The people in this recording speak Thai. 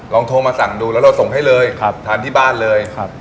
โทรมาสั่งดูแล้วเราส่งให้เลยทานที่บ้านเลยครับ